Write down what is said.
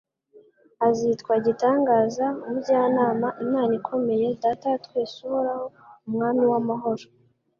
Azitwa Igitangaza umujyanama, Imana ikomeye, Data wa twese uhoraho, Umwami w'amahoro.»